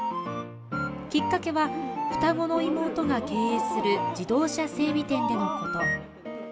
きっかけは、双子の妹が経営する自動車整備店でのこと。